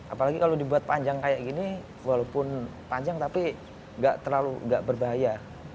apalagi kalau dibuat panjang kayak gini walaupun panjang tapi nggak terlalu nggak berbahaya